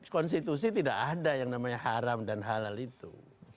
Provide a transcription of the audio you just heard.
konstitusi tidak ada yang namanya haram dan halal itu